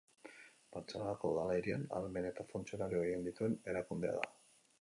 Bartzelonako Udala hirian ahalmen eta funtzionario gehien dituen erakundea da.